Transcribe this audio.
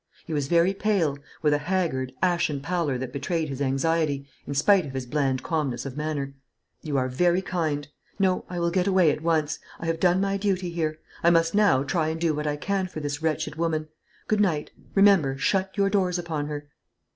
He was very pale, with a haggard, ashen pallor that betrayed his anxiety, in spite of his bland calmness of manner. "You are very kind. No; I will get away at once. I have done my duty here; I must now try and do what I can for this wretched woman. Good night. Remember; shut your doors upon her."